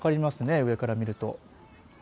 上から見ると。